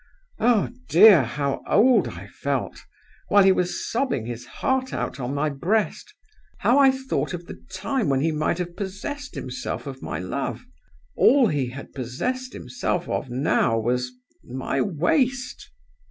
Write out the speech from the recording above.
Oh, dear, how old I felt, while he was sobbing his heart out on my breast! How I thought of the time when he might have possessed himself of my love! All he had possessed himself of now was my waist.